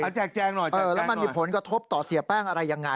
แจกแจงหน่อยเจอแล้วมันมีผลกระทบต่อเสียแป้งอะไรยังไง